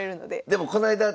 でもこないだ